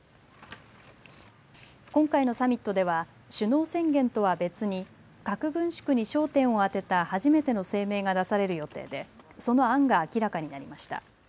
今回のサミットでは、首脳宣言とは別に、核軍縮に焦点を当てた初めての声明が出される予定で、その案が明らかになりました。